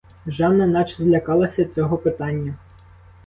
Жанна наче злякалася цього питання.